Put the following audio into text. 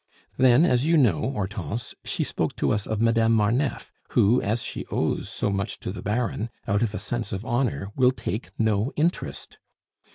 Then, as you know, Hortense, she spoke to us of Madame Marneffe, who, as she owes so much to the Baron, out of a sense of honor, will take no interest.